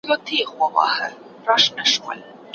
نه یې ږغ سو د چا غوږ ته رسېدلای